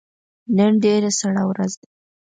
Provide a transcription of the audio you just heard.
نن ډیره سړه ورځ ده